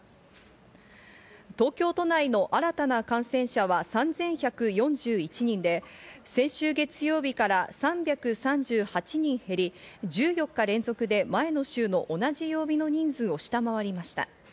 東京都内の新たな感染者は３１４１人で、先週月曜日から３３８人減り、１４日連続で前の週の同じ曜日の人数を下回りました。